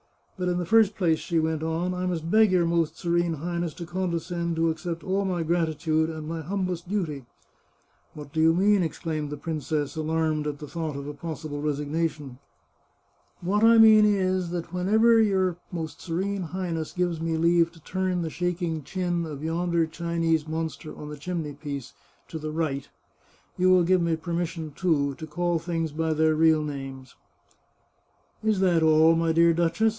But in the first place," she went on, " I must 442 The Chartreuse of Parma beg your Most Serene Highness to condescend to accept all my gratitude and my humblest duty." " What do you mean ?" exclaimed the princess, alarmed at the thought of a possible resignation. " What I mean is, that whenever your Most Serene High ness gives me leave to turn the shaking chin of yonder Chinese monster on the chimneypiece to the right, you will give me permission, too, to call things by their real names." " Is that all, my dear duchess